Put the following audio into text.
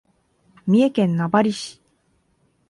三重県名張市